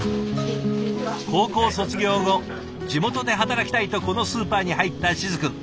高校卒業後地元で働きたいとこのスーパーに入った静くん。